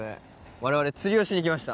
我々釣りをしに来ました。